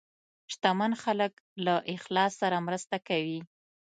شتمن خلک له اخلاص سره مرسته کوي.